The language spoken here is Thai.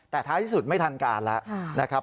แต่ท้ายที่สุดไม่ทันการแล้วนะครับ